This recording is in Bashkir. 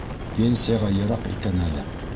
Пенсияға йыраҡ икән әле.